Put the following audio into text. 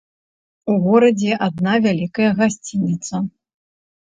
У горадзе адна вялікая гасцініца.